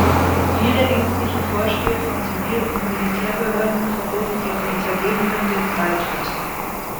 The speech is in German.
Viele ängstliche Vorsteher von Zivil- und Militärbehörden verboten ihren Untergebenen den Beitritt.